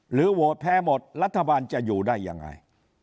โหวตแพ้หมดรัฐบาลจะอยู่ได้ยังไง